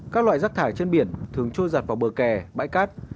các loại rác thải trên biển thường trôi giặt vào bờ kè bãi cát